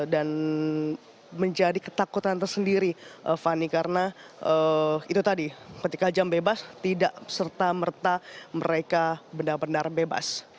dan menjadi ketakutan tersendiri fani karena itu tadi ketika jam bebas tidak serta merta mereka benar benar bebas